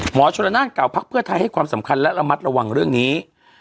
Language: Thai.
ชนละนานเก่าพักเพื่อไทยให้ความสำคัญและระมัดระวังเรื่องนี้